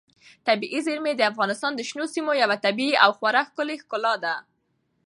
طبیعي زیرمې د افغانستان د شنو سیمو یوه طبیعي او خورا ښکلې ښکلا ده.